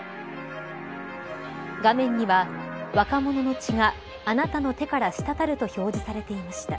画面には、若者の血があなたの手から滴ると表示されていました。